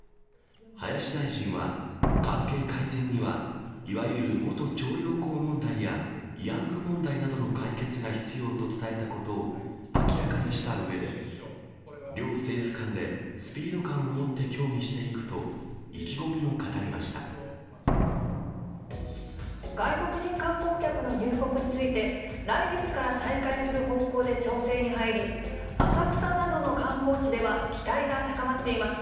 林大臣は、関係改善にはいわゆる元徴用工問題や、慰安婦問題などの解決が必要と伝えたことを明らかにしたうえで、両政府間でスピード感を持って協議していくと、意気込みを語りま外国人観光客の入国について、来月から再開する方向で調整に入り、浅草などの観光地では期待が高まっています。